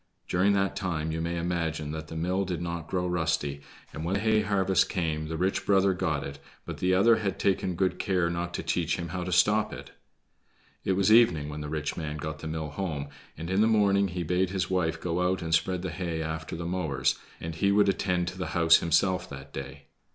During that time you may imagine that the mill did not grow rusty, and when hay harvest came the rich brother got it, but the other had taken good care not to teach him how to stop it. It was evening when the rich man got the mill home, and in the morning he bade his wife go out and spread the hay after the mowers, and he would attend to the house himself that day.